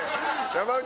山内！